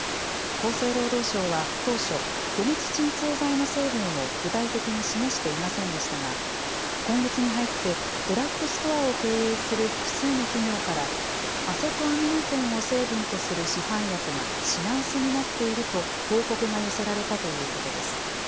厚生労働省は当初、解熱鎮痛剤の成分を具体的に示していませんでしたが、今月に入って、ドラッグストアを経営する複数の企業から、アセトアミノフェンを成分とする市販薬が品薄になっていると報告が寄せられたということです。